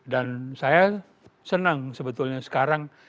dan saya senang sebetulnya sekarang